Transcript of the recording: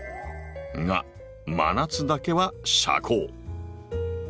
が真夏だけは遮光。